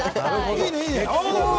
いいね、いいね。